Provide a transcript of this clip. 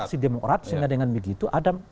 aksi demokrat sehingga dengan begitu ada